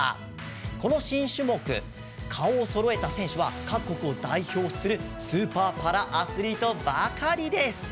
この新種目、顔をそろえた選手は各国を代表するスーパーパラアスリートばかり。